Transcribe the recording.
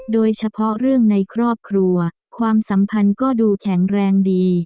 โดยเฉพาะเรื่องในครอบครัวความสัมพันธ์ก็ดูแข็งแรงดี